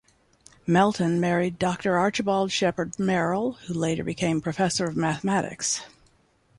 Melton married Doctor Archibald Shepard Merrill who later became Professor of Mathematics.